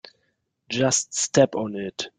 Just step on it.